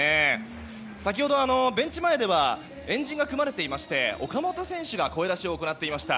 先ほど、ベンチ前では円陣が組まれていまして岡本選手が声出しを行っていました。